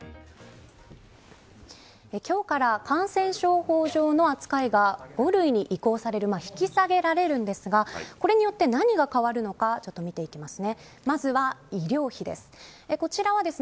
今日から感染症法上の扱いが５類に移行される引き下げられるんですがこれによって何が変わるのか見ていきます。